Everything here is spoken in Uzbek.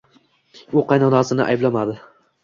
U qaynonasini ayblamadi